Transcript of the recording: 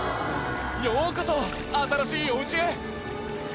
ようこそ、新しいおうちへ。